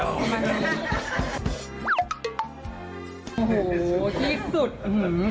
โอ้โหดีสุด